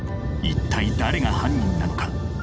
一体誰が犯人なのか。